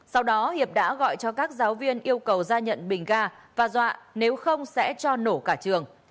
sau đó hiệp đã gọi cho các giáo viên yêu cầu ra nhận bình ga và dọa nếu không sẽ cho nổ cả trường